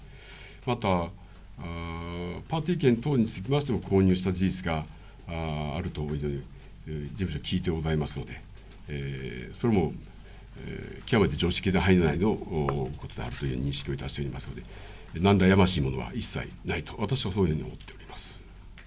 また、パーティー券等につきましても、購入した事実があると、事務所で聞いてございますので、それも極めて常識の範囲内のことであるという認識をいたしておりますので、なんらやましいものは一切ないと、私はそういうふうに思っております。